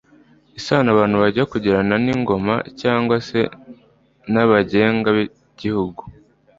isano abantu bajya kugirana n'ingoma cyangwa se n'abagenga gihugu